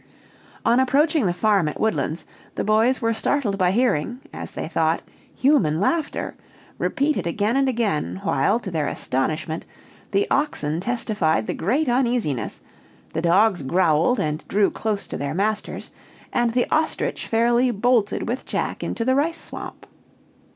On approaching the farm at Woodlands, the boys were startled by hearing, as they thought, human laughter, repeated again and again; while, to their astonishment, the oxen testified the great uneasiness, the dogs growled and drew close to their masters, and the ostrich fairly bolted with Jack into the rice swamp.